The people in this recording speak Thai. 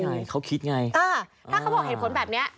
ถ้าเขาบอกเหตุผลแบบนี้